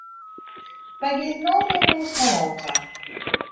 Wy gean no nei Noard-Hollân ta.